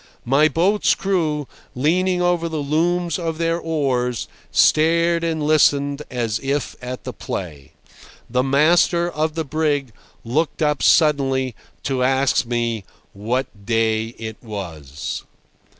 My boat's crew, leaning over the looms of their oars, stared and listened as if at the play. The master of the brig looked up suddenly to ask me what day it was.